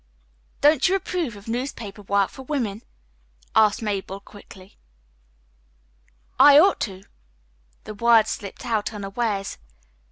"Don't you approve of newspaper work for women?" asked Mabel quickly. "I ought to." The words slipped out unawares.